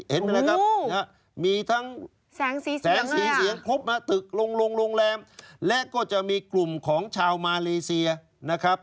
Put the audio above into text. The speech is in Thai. เห็นไหมล่ะครับมีทั้งแสงสีเสียงครบมาตึกลงโรงแรมและก็จะมีกลุ่มของชาวมาเลเซียนะครับ